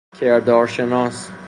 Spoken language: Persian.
کردارشناس